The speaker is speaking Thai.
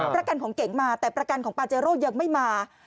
ประกันของเก๋งมาแต่ประกันของปาเจโร่ยังไม่มา